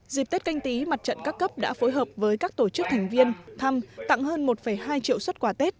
dịp tết canh tí mặt trận các cấp đã phối hợp với các tổ chức thành viên thăm tặng hơn một hai triệu xuất quả tết